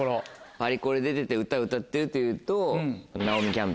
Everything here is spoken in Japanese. パリコレ出てて歌歌ってるっていうと。